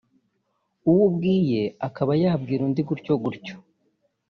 n’uwo ubwiye akaba yabwira undi gutyo gutyo